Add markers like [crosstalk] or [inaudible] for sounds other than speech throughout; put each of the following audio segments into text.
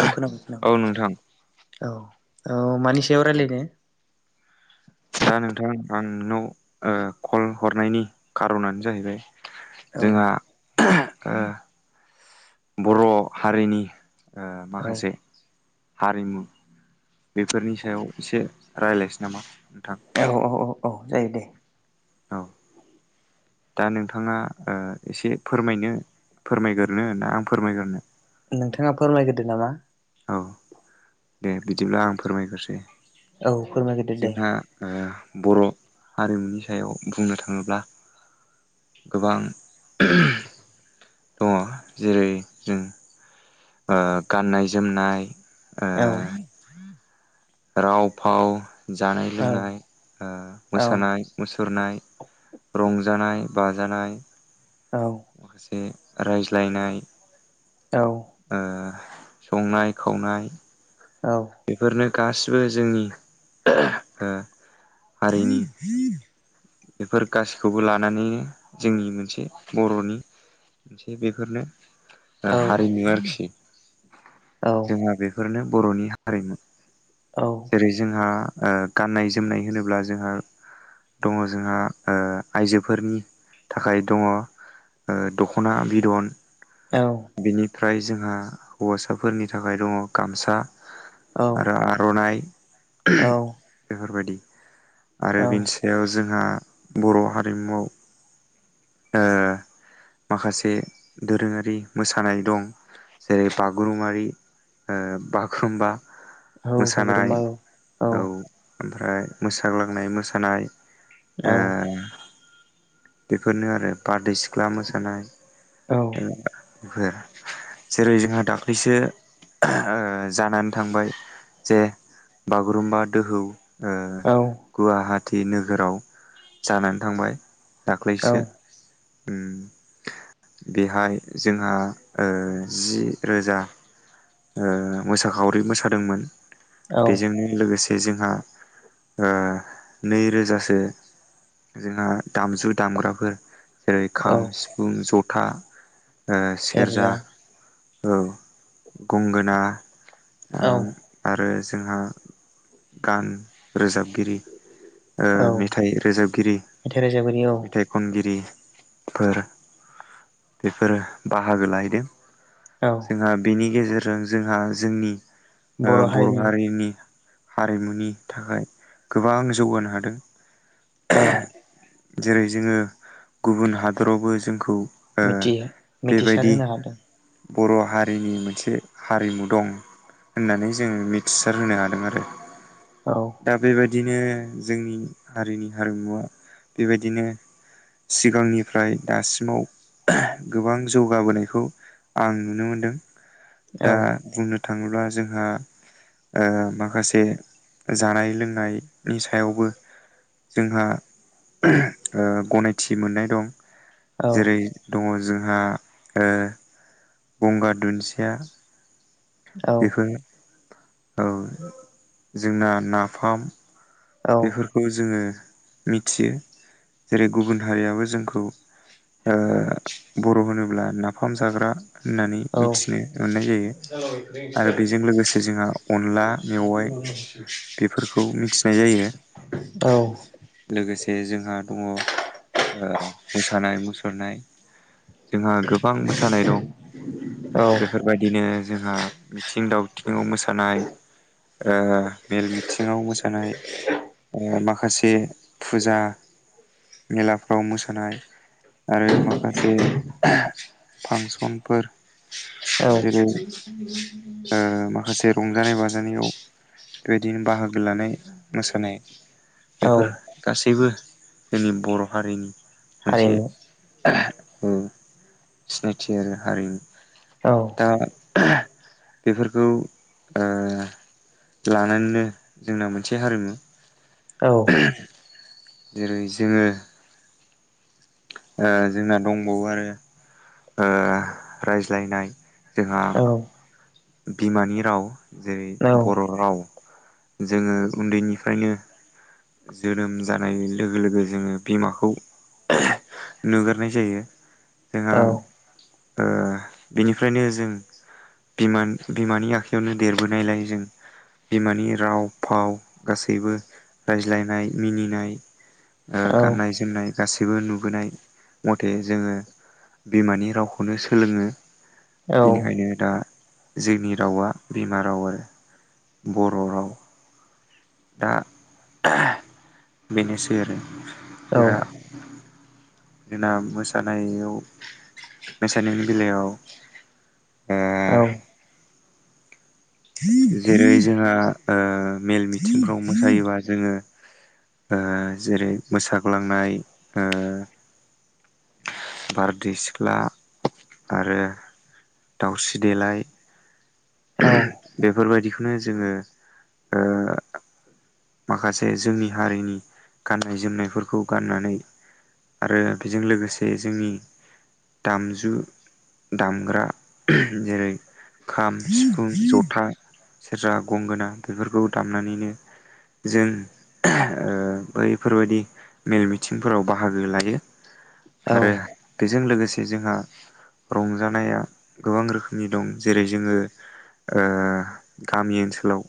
औ खोनाबाय औ खोनाबाय नोंथां औ औ मानि सायाव रायलायनो? दा नोंथां आंनाव ओ कल हरनायनि खार'नानो जाहैबाय औ जोंहा ओह ओ बर' हारिनि ओ औ माखासे हारिमु बेफोरनि सायाव एसे रायलायसै नामा नोंथां? औ औ औ जायो दे। औ दा नोंथाङा ओ एसे फोरमायनो फोरमायगोरनो ना आं फोरमायगोरनो? नोंथांङा फोरमायग्रोदो नामा। औ दे बिदिब्ला आं फोरमायगोरसै। औ फोरमायग्रोदो दे जोंहा ओ बर' हारिमुनि सायाव बुंनो थाङोब्ला गोबां ओमह दङ जेरै जों ओ गाननाय जोमनाय औ ओ राव फाव जानाय औ लोंनाय ओ औ मोसानाय मुसुरनाय रंजानाय बाजानाय औ ओ रायज्लायनाय औ ओ संनाय खावनाय औ बिफोरनो गासिबो जोंनि ओह ओ हारिनि [inaudible] बेफोर गासैखौबो लानानैनो जोंनि मोनसे बर'नि मोनसे बेफोरनो औ हारिमु आरोखि जोंहा बेफोरनो बर'नि हारिमु औ जेरै जोंहा ओ गाननाय जोमनाय होनोब्ला जोंहा दङ जोंहा ओ आइजोफोरनि थाखाय दङ ओ द'ख'ना बिदन औ ओमफ्राय जोंहा हौवासाफोरनि थाखाय दङ गामसा आरो आर'नाइ औ बेफोरबायदि आरो बिनि सायाव जोंहा बर' हारिमुआव ओ माखासे दोरोंङारि मोसानाय दं जेरै बागुरुममारि ओ बागुरुम्बा औ मोसानाय बागुरुम्बा औ ओमफ्राय मोसाग्लांनाय मोसानाय ओ औ बेफोरनो आरो बारदै सिख्ला मोसानाय ओ बेफोर जेरै जोंहा दाख्लैसो ओ जानानै थांबाय जे बागुरुम्बा दोहौ ओ औ गुवाहाटि नोगोराव जानानै थांबाय दाख्लैसो ओम बेहाय जोंहा ओ जि रोजा ओ मोसाखावरि मोसादोंमोन औ बेजोंनो लोगोसे जोंहा ओ नै रोजा सो जोंहा दामजु दामग्राफोर जेरै औ खाम सिफुं ज' था ओ सेरजा औ गंगोना औ ओम आरो जोंहा गान रोजाब गिरि ओ औ मेथाइ रोजाबगिरि मेथाइ रोजाबगिरि औ मेथाइ खनगिरि फोर बेफोरो बाहागो लाहैदों औ जोंहा बेनि गेजेरजों जोंहा जोंनि ओ बर' हारिनि हारिमुनि थाखाय गोबां जौगानो हादों औ जेरै जोङो गुबुन हादरावबो जोंखौ ओ मिथि मिथिसार बेबायदि होनो हादों बर' हारिनि मोनसे हारिमु दं होननानै जोंङो मिथिसार होनो हादों आरो औ दा बेबायदिनो जोंनि हारिनि हारिमुवा बेबायदिनो सिगांनिफ्राय दासिमाव गोबां जौगाबोनायखौ आं नुनो मोनदों दा औ बुंनो थाङोब्ला जोंहा ओ माखासे जानाय लोंनायनि सायावबो जोंहा ओ गनायथि मोननाय दं औ जेरै दङ जोंहा ओ गंगार दुन्दिया औ बेखौ औ जोंना नाफाम औ बेफोरखौ जोङो मिथियो जेरै गुबुन हारियाबो जोंखौ ओ बर' होनोब्ला नाफाम जाग्रा होननानै औ मिथिनो मोननाय जायो आरो बेजों लोगोसे जोंहा अनला मेवाइ बेफोरखौ मिथिनाय जायो लोगोसे जोंहा दङ ओ मोसानाय मुसुरनाय जोंहा गोबां मोसानाय दं औ बेफोरबायदिनो जोंहा मिथिं दावथिङाव मोसानाय ओ मेल मिथिङाव मोसानाय माखासे फुजा मेलाफ्राव मोसानाय आरो माखासे फांसनफोर औ जेरै माखासे ओ रंजानाय बाजानाय नाजानायाव बेबायदिनो बाहागो लानाय मोसानाय औ बेफोर गासैबो जोंनि बर' हारिनि हारिनि औ सिनायथि आरो औ हारिमु दा बेफोरखौ ओ लानानैनो जोंना मोनसे हारिमु औ जेरै जोङो ओ जोंना दंबावो आरो ओ रायज्लायनाय जोंहा औ बिमानि राव जेरै औ बर' राव जोङो उन्दैनिफ्रायनो जोनोम जानाय लोगो लोगो जोङो बिमाखौ नुगोरनाय जायो ओ ओ बेनिफ्रायनो जों बिम बिमानि आखाइायावनो देरबोनायलायो जों बिमानि राव फाव गासैबो रायज्लायनाय मिनिनाय ओ औ गाननाय जोमनाय गासैबो नुबोनाय मथे जोङो बिमानि रावखौनो सोलोङो बेनिखायनो दा जोंनि रावा बिमा राव आरो बर' राव दा बेनोसै आरो जोंहा जोंना मोसानायाव मोसानायनि बेलायाव औ। जेरै जोंहा ओ मेल मिथिंफ्राव मोसायोबा जोङो जेरै मोसाग्लांनाय ओ बारदै सिख्ला आरो दाउस्रि देलाय औ बेफोरबायदिखौनो जोङो ओ माखासे जोंनि हारिनि गाननाय जोमनायफोरखौ गाननानै आरो बेजों लोगोसे जोंनि दामजु दामग्रा जेरै खाम सिफुं जथा सेरजा गंगोना बेफोरखौ दामनानैनो जों ओ बैफोरबायदि मेल मिथिंफोराव बाहागो लायो। आरो बेजों लोगोसे जोंहा रंजानाया गोबां रोखोमनि दं जेरै जोङो ओ गामि ओनसोलाव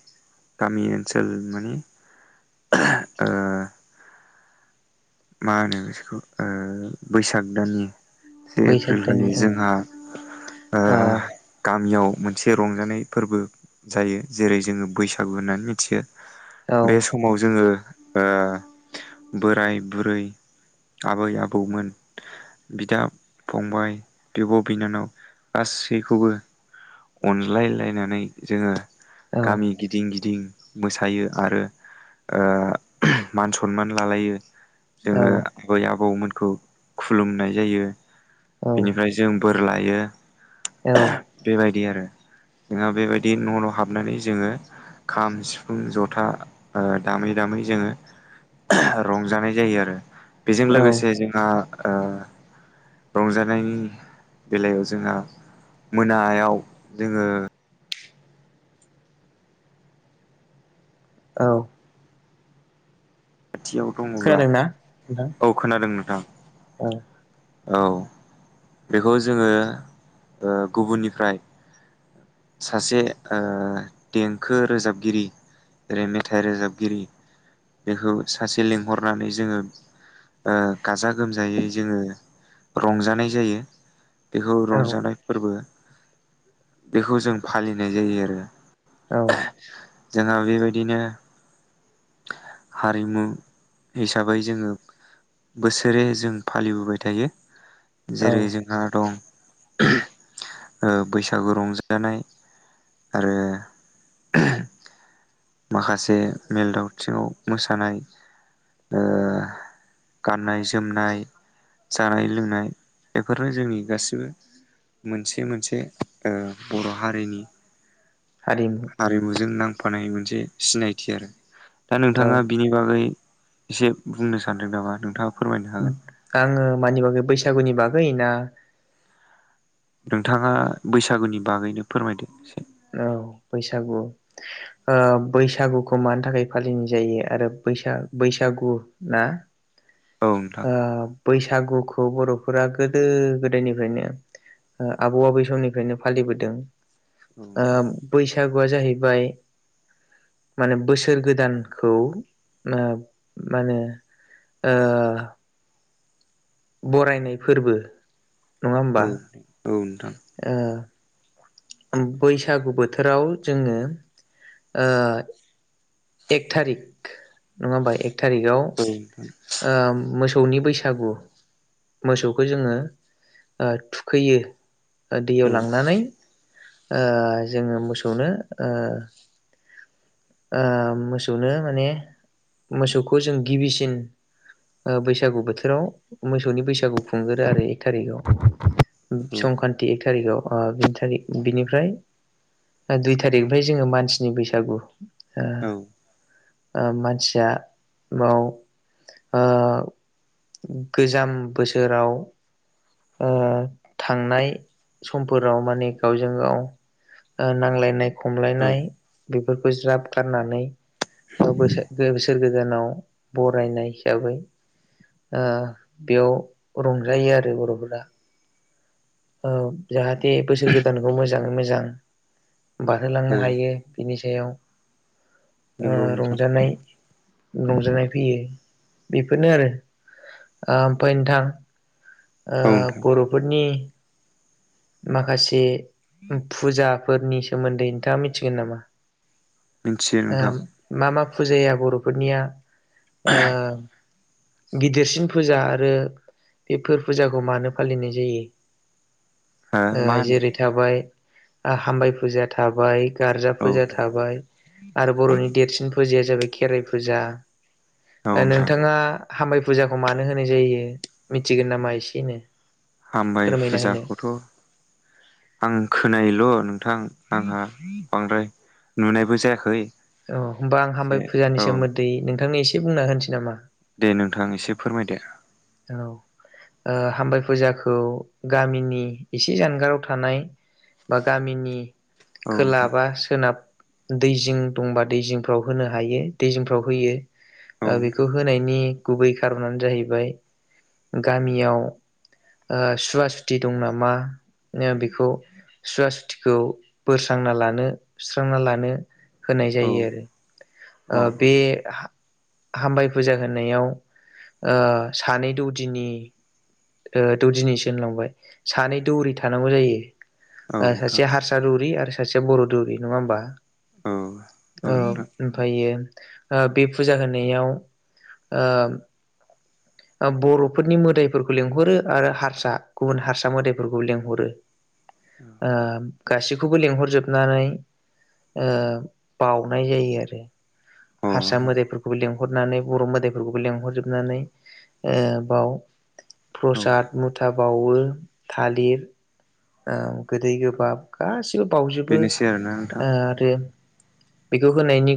गामि ओनसोल माने ओ मा होनो बिसोरखौ ओ बैसाग दाननि से बैसाग एप्रिल खालि दाननि औ जोंहा ओ औ गा गामियाव मोनसे रंजानाय फोरबो जायो जेरै जोङो बैसागु होननानै मिथियो। औ बे समाव जोङो ओ बोराय बुरै आबै आबौमोन बिदा फंबाय बिब' बिनानाव गासैखौबो अनलायलायनानै जोङो गामि गिदिं गिदिं मोसायो आरो ओ मान सनमान लालायो औ जोङो आबै आबौमोनखौ खुलुमनाय जायो बेनिफ्राय जों बोर लायो बेबायदि आरो जोंहा बेबायदि न' न' हाबनानै जोङो खाम सिफुं जथा ओ दामै दामै जोङो रंजानाय जायो आरो। बेजों औ लोगोसे जोंहा ओ रंजानायनि बेलायाव जोंहा मोनायाव जोङो खाथियाव दङब्ला औ खोनादों नोंथां। औ। औ बेखौ जोङो ओ गुबुननिफ्राय सासे ओ देंखो रोजाबगिरि जेरै मेथाइ रोजाबगिरि बेखौ सासे लिंहरनानै जोङो। ओ गाजा गोमजायै जोङो रंजानाय जायो। बेखौ औ रंजानाय फोरबो बेखौ जों फालिनाय जायो आरो। औ जोंनाव बेबायदिनो हारिमु हिसाबै जोङो बोसोरे जों फालिबोबाय थायो। औ जेरै जोंहा दं ओ बैसागु रंजानाय आरो माखासे मेल दावथिङाव मोसानाय ओ गाननाय जोमनाय जानाय लोंनाय बेफोरनो जोंनि गासिबो मोनसे मोनसे ओ बर' हारिनि हारिमु हारिमुजों नांफानाय मोनसे सिनायथि आरो। दा औ नोंथाङा बिनि बागै एसे बुंनो सानदों नामा नोंथाङा फोरमायनो हागोन? आङो मानि बागै बैसागुनि बागै ना नोंथाङा बैसागुनि बागैनो फोरमायदो एसे। औ बैसागु ओ बैसागुखौ मानि थाखाय फालिनाय जायो आरो बैसा बैसागु ना औ नोंथां ओ बैसागुखौ बर'फोरा गोदो गोदायनिफ्रायनो ओ आबौ आबै समनिफ्रायनो फालिबोदों। औ ओ नोंथां बैसागुआ जाहैबाय माने बोसोर गोदानखौ ओ मा होनो ओ बरायनाय फोरबो नङा होमबा? औ औ नोंथां ओ बैसागु बोथोराव जोङो ओ एक थारिक नङा होमबा एक थारिकाव औ नोंथां ओ मोसौनि बैसागु औ मोसौखौ जोङो ओ थुखैयो ओ दैयाव औ लांनानै। ओ जोङो मोसौनो ओ ओ मोसौनो माने मोसौखौ जों गिबिसिन ओ बैसागु बोथोराव मोसौनि बैसागु खुंगोरो आरो एक थारिखाव संक्रान्ति एक थारिखाव। अ बिनि थारि बिनिफ्राय दुइ थारिखनिफ्राय जोङो मानसिनि बैसागु। ओ औ ओ मानसिया ङाव ओ गोजाम बोसोराव ओ थांनाय समफोराव माने गावजों गाव ओ नांलायनाय औ खमलायनाय बेफोरखौ ज्राब गारनानै ओ [unintelligible] बोसोर गोजानाव बय बरायनाय हिसाबै ओ बेयाव रंजायो आरो बर'फोरा। औ जाहाथे बोसोर गोदानखौ मोजाङै मोजां बारहोलांनो औ हायो बिनि सायाव उम नंगौ नोंथां रंजानाय रंजानाय फैयो। बेफोरनो आरो आ ओमफाय नोंथां ओ औ नोंथां बर'फोरनि माखासे फुजाफोरनि सोमोन्दै नोंथाङा मिथिगोन नामा? मिथियो नोंथां ओम मा मा फुजाया बर'फोरनिया ओ गिदिरसिन फुजा आरो बेफोर फुजाखौ मानो फालिनाय जायो। हो ओ मा जेरै होनदों थाबाय हामबाय फुजाया थाबाय। गारजा नोंथां औ फुजा नोंथां थाबाय आरो बर'नि देरसिन फुजाया जाबाय खेराइ फुजा। औ ओ नोंथां नोंथाङा हामबाय फुजाखौ मानो होनाय जायो मिथिगोन नामा एसेनो हामबाय फोरमायना होनो फुजाखौथ' आं खोनायोल' नोंथां आंहा बांद्राय नुनायबो जायाखै औ होमबा आं एसे हामबाय फुजानि औ सोमोन्दै नोंथांनो एसे बुंना होनोसै नामा? दे नोंथां एसे फोरमायदो। औ। ओ हामबाय फुजाखौ गामिनि एसे जानगाराव थानाय बा गामिनि औ खोला नोंथां बा सोनाब दै जिं दंबा दै जिंफ्राव होनो हायो दै जिंफ्राव होयो। औ ओ नोंथां बेखौ होनायनि गुबै खार'नानो जाहैबाय गामियाव ओ सुवा सुथि दं नामा ओ बेखौ सुवा सुथिखौ बोस्रांना लानो सुस्रांना लानो होनाय औ जायो आरो ओ अ बे हामबाय फुजा होनायाव ओ सानै दौदिनि ओ दौदिनिसो होनलांबाय सानै दौरि थानांगौ जायो। औ ओ नोंथां सासेया हारसा दौरि आरो सासेया बर' दौरि नङा होमबा? औ औ ओमफ्रायो बे फुजा होनायाव ओ ओ बर'फोरनि मोदाइफोरखौ लेंहरो आरो हारसा गुबुन हारसा मोदायफोरखौबो लेंहरो। ओ। गासैखौबो लेंंहरजोबनानै ओ बाउनाय जायो आरो। हारसा अ मोदायफोरखौबो लें हरनानै बर' मोदाइफोरखौबो लेंहरजोबनानै ओ बाव औ प्रसाद मुथा बाउवो थालिर औ गोदै-गोबाब गासैबो बाउजोबो बेनोसै आरोना नोंथां आरो बेखौ होनायनि